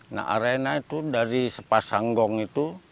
nah arena itu dari sepasanggong itu